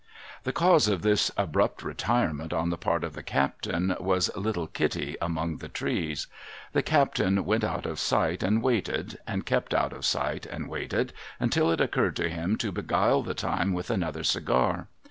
The cause of this abrupt retirement on the part of the captain was little Kitty among the trees. The captain went out of sight and waited, and kept out of sight and waited, until it occurred to him to beguile the time with another cigar.